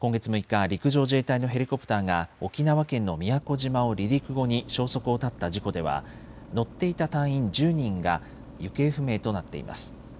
今月６日、陸上自衛隊のヘリコプターが沖縄県の宮古島を離陸後に消息を絶った事故では乗っていた隊員１０人が行方不明となっています。